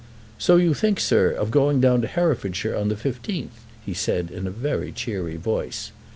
"So you think, sir, of going down to Herefordshire on the 15th," he said in a very cheery voice.